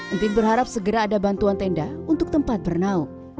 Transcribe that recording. entin berharap segera ada bantuan tenda untuk tempat bernaung